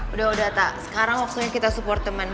udah data sekarang waktunya kita support temen